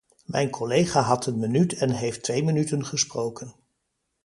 Mijn collega had een minuut en heeft twee minuten gesproken.